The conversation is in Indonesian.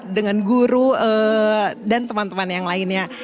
dengan guru dan teman teman yang lainnya